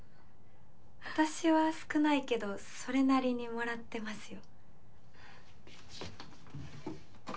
私は少ないけどそれなりにもらってますよ。